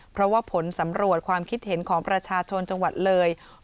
เพราะว่าผลสำรวจความคิดเห็นของประชาชนจังหวัดเลย